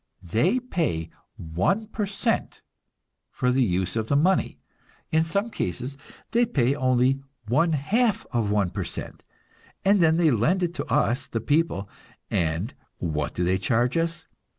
They pay one per cent for the use of the money; in some cases they pay only one half of one per cent; and then they lend it to us, the people and what do they charge us?